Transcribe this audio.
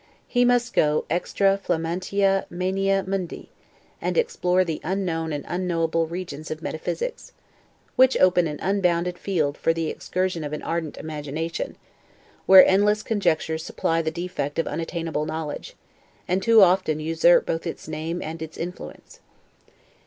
He must go 'extra flammantia maenia Mundi', and explore the unknown and unknowable regions of metaphysics; which open an unbounded field for the excursion of an ardent imagination; where endless conjectures supply the defect of unattainable knowledge, and too often usurp both its name and its influence.